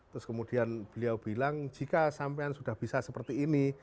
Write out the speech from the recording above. terus kemudian beliau bilang jika sampean sudah bisa seperti ini